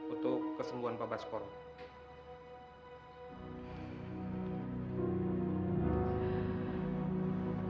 untuk kesembuhan bapak skoro